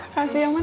kasih ya man